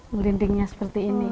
melintingnya seperti ini